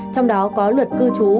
trong đó có luật cư trú